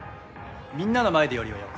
みんなの前でよりはよくない？